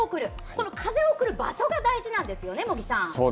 この風を送る場所が大事なんですよね。